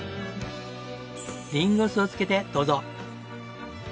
りんご酢をつけてどうぞ！